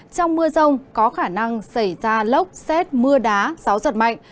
trong mưa rông có khả năng xảy ra lốc xét mưa đá gió giật mạnh